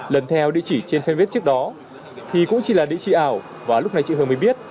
lần theo địa chỉ trên fanpage trước đó thì cũng chỉ là địa chỉ ảo và lúc này chị hường mới biết